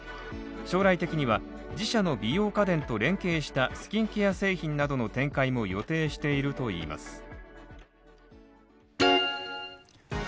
将来的には自社の美容家電と連携したスキンケア製品などの展開も予定しているといいます。